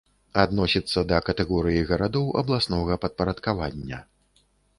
Адносіцца да катэгорыі гарадоў абласнога падпарадкавання.